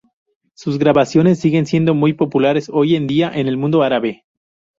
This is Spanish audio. Sus grabaciones siguen siendo muy populares hoy en día en el mundo árabe.